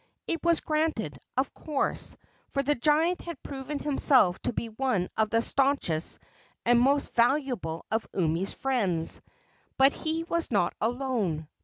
It was granted, of course, for the giant had proven himself to be one of the stanchest and most valuable of Umi's friends. But he was not alone.